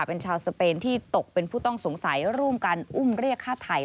เป็นชาวสเปนที่ตกเป็นผู้ต้องสงสัยร่วมกันอุ้มเรียกฆ่าไทย